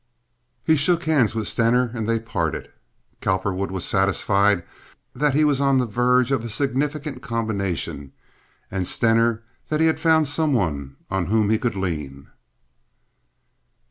He shook hands with Stener, and they parted. Cowperwood was satisfied that he was on the verge of a significant combination, and Stener that he had found someone on whom he could lean.